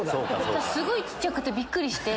すごい小っちゃくてびっくりして。